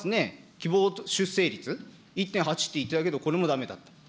希望出生率、１．８と言ってたけど、これもだめだった。